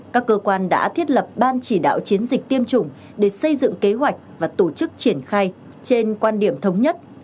các cơ quan đã thiết lập ban chỉ đạo chiến dịch tiêm chủng để xây dựng kế hoạch và tổ chức triển khai trên quan điểm thống nhất